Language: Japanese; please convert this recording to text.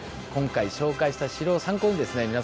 今回紹介した城を参考にですね